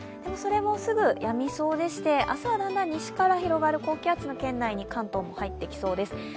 それもすぐやみそうでして、明日はだんだん西から広がる高気圧の圏内に、関東も入ってきそうです。